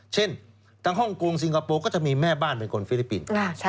เช่นทางฮ่องกงสิงคโปร์ก็จะมีแม่บ้านเป็นคนฟิลิปปินส์